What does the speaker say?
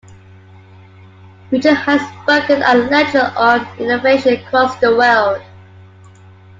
Richard has spoken and lectured on innovation across the world.